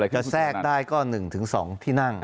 แทรกได้ก็๑๒ที่นั่ง